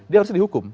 dia harus dihukum